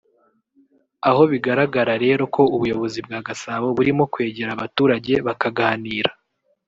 aho bigaragara rero ko ubuyobozi bwa Gasabo burimo kwegera abaturage bakaganira